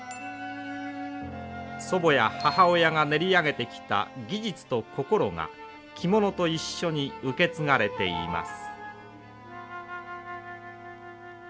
祖母や母親が練り上げてきた技術と心が着物と一緒に受け継がれています。